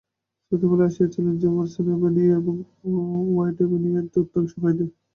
শ্রোতৃমণ্ডলী আসিয়াছিলেন Jefferson avenue এবং Woodward এভিনিউ-এর উত্তরাংশ হইতে।